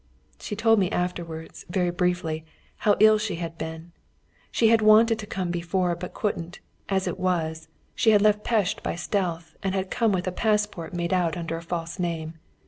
She told me afterwards very briefly how ill she had been. She had wanted to come before, but couldn't; as it was, she had left Pest by stealth, and had come with a passport made out under a false name.